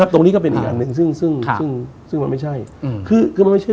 ตรงนี้ก็เป็นอีกอันหนึ่งซึ่งมันไม่ใช่